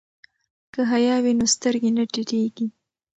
که حیا وي نو سترګې نه ټیټیږي.